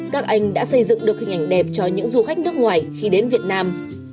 các anh đã xây dựng được hình ảnh đẹp cho những du khách nước ngoài khi đến việt nam